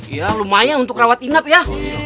iya lumayan untuk rawat inap ya